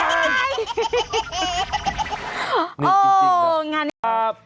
โอ้งานนี้ครับ